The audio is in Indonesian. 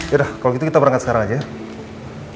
yaudah kalau gitu kita berangkat sekarang aja